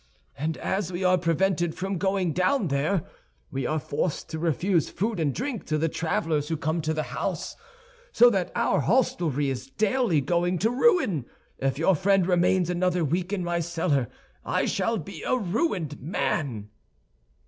And as we are prevented from going down there, we are forced to refuse food and drink to the travelers who come to the house; so that our hostelry is daily going to ruin. If your friend remains another week in my cellar I shall be a ruined man."